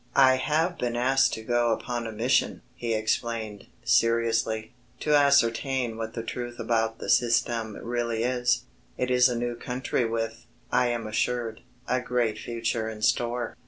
"I have been asked to go upon a mission," he explained, seriously, "to ascertain what the truth about the Système really is. It is a new country with, I am assured, a great future in store.